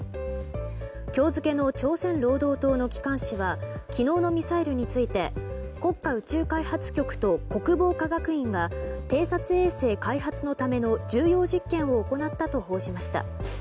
今日付の朝鮮労働党の機関紙は昨日のミサイルについて国家宇宙開発局と国防科学院が偵察衛星開発のための重要実験を行ったと報じました。